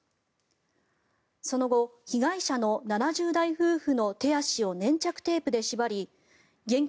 その後、被害者の７０代夫婦の手足を粘着テープで縛り現金